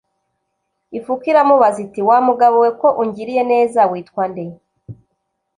Ifuku iramubaza iti: "Wa mugabo we ko ungiriye neza, witwa nde?"